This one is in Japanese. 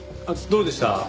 あっどうでした？